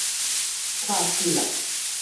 敲爍爁